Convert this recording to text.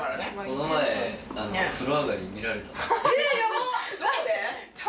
この前風呂上がり見られたんです。